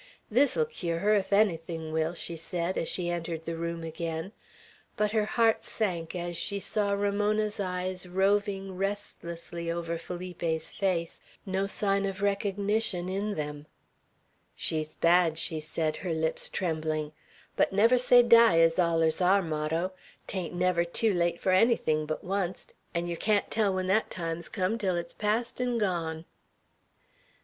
"This'll cure her, ef ennything will," she said, as she entered the room again; but her heart sank as she saw Ramona's eyes roving restlessly over Felipe's face, no sign of recognition in them. "She's bad," she said, her lips trembling; "but, 'never say die!' ez allers our motto; 'tain't never tew late fur ennything but oncet, 'n' yer can't tell when thet time's come till it's past 'n' gone."